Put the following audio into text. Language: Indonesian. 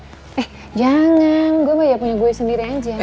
eh jangan gue mah ya punya gue sendiri aja